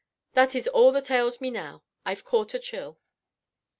That is all that ails me now.... I've caught a chill."